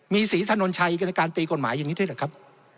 มีศรีถนนชัยในการตีกฎหมายอย่างนี้ด้วยเหรอครับ